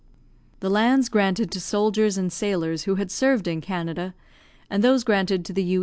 The lands granted to soldiers and sailors who had served in Canada, and those granted to the U.